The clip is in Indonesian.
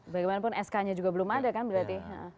bagaimanapun sk nya juga belum ada kan berarti